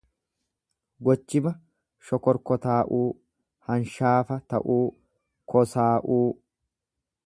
Gochima shokorkotaa'uu, hanshaafa ta'uu, kosaa'uu.